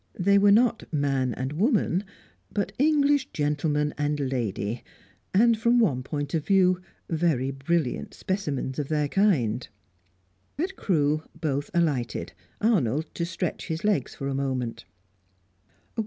They were not man and woman, but English gentleman and lady, and, from one point of view, very brilliant specimens of their kind. At Crewe both alighted, Arnold to stretch his legs for a moment.